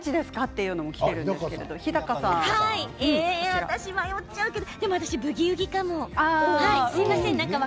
私迷っちゃうけど平板の「ブギウギ」かも。